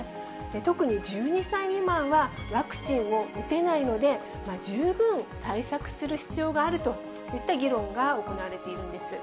特に１２歳未満はワクチンを打てないので、十分対策する必要があるといった議論が行われているんです。